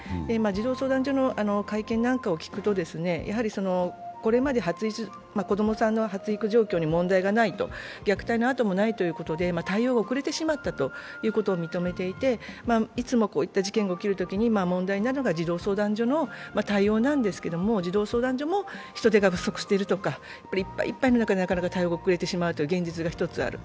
児童相談所の会見なんかを聞くとこれまで子供さんの発育状況に問題がないと、虐待の痕もないということで対応が遅れてしまったことを認めていていつもこういった事件が起きるときに問題になるのが児童相談所の対応なんですけれども児童相談所も人手が不足しているとか、いっぱいいっぱいの中でなかなか対応が遅れてしまうという現実が一つある。